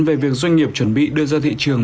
về việc doanh nghiệp chuẩn bị đưa ra thị trường